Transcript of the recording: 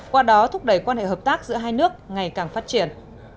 qua đó thúc đẩy quan hệ hợp tác giữa hai nước ngày càng phát triển